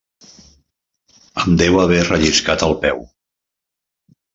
Em deu haver relliscat el peu.